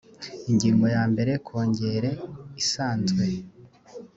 ingingo ya mbere kongere isanzwe